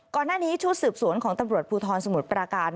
ก่อนหน้านี้ชุดสืบสวนของตำรวจภูทรสมุทรปราการ